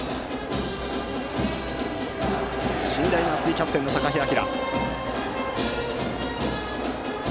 信頼の厚いキャプテン、高陽章。